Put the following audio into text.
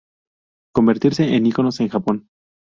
Convertirse en iconos en Japón.